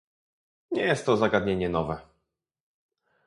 Nie jest to zagadnienie nowe